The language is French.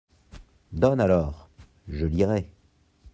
Donne, alors ! je lirai.